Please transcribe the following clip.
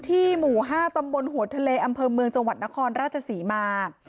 หมู่๕ตำบลหัวทะเลอำเภอเมืองจังหวัดนครราชศรีมา